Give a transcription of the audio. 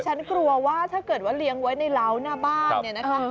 ฉันกลัวว่าถ้าเกิดว่าเลี้ยงไว้ในร้าวหน้าบ้านเนี่ยนะคะ